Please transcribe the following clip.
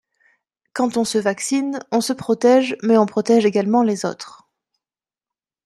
Quand on se vaccine, on se protège mais on protège également les autres.